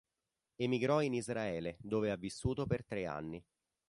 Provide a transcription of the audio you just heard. Emigrò in Israele, dove ha vissuto per tre anni.